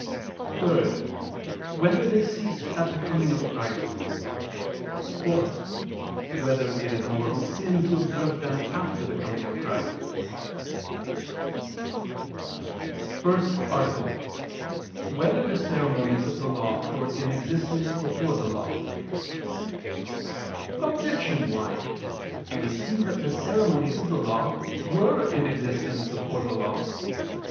(3) Whether they ceased at the coming of Christ? (4) Whether it is a mortal sin to observe them after the coming of Christ? ________________________ FIRST ARTICLE [I II, Q. 103, Art. 1] Whether the Ceremonies of the Law Were in Existence Before the Law? Objection 1: It would seem that the ceremonies of the Law were in existence before the Law.